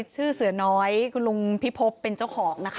ชื่อเสือน้อยคุณลุงพิพบเป็นเจ้าของนะคะ